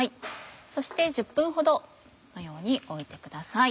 そして１０分ほどこのようにおいてください。